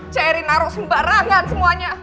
cerinaro sembarangan semuanya